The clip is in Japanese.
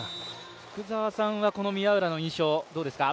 福澤さんは宮浦の印象どうですか？